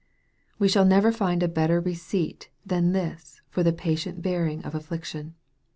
We shall never find a better receipt than this for the patient bearing of affliction.